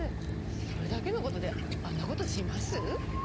それだけのことであんなことします？